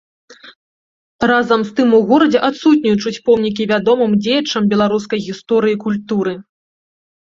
Разам з тым у горадзе адсутнічаюць помнікі вядомым дзеячам беларускай гісторыі і культуры.